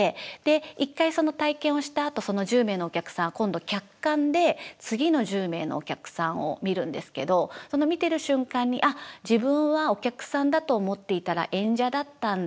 一回その体験をしたあとその１０名のお客さんは今度客観で次の１０名のお客さんを見るんですけどその見てる瞬間に「あっ自分はお客さんだと思っていたら演者だったんだ」っていう。